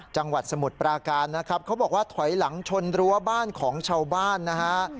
จังหวัดสมุทรปราการนะครับเขาบอกว่าถอยหลังชนรั้วบ้านของชาวบ้านนะฮะ